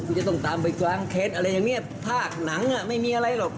คุณจะต้องตามไปฟังเคสอะไรอย่างนี้ภาคหนังไม่มีอะไรหรอก